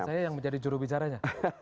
dan saya yang menjadi jurubicaranya